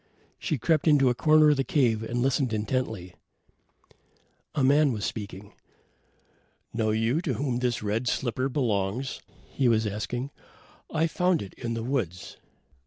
So she crept into a corner of the cave and listened intently. A man was speaking. "Know you to whom this red slipper belongs?" he was asking. "I found it in the woods."